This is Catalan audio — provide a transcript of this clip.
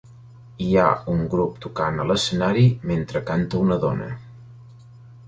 Hi ha un grup tocant a l'escenari mentre canta una dona.